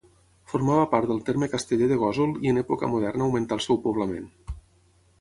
Formava part del terme casteller de Gósol i en època moderna augmentà el seu poblament.